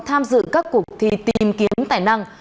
tham dự các cuộc thi tìm kiếm tài năng